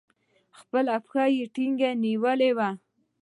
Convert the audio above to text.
خپله پښه يې ټينگه نيولې وه.